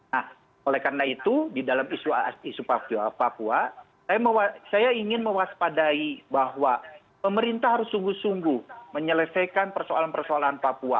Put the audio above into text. nah oleh karena itu di dalam isu papua saya ingin mewaspadai bahwa pemerintah harus sungguh sungguh menyelesaikan persoalan persoalan papua